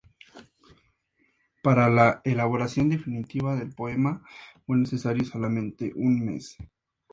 Para la elaboración definitiva del poema fue necesario solamente un mes.